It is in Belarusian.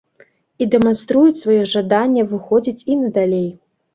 І дэманструюць сваё жаданне выходзіць і надалей.